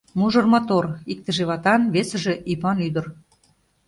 Мужыр мотор... иктыже ватан, весыже ӱпан ӱдыр...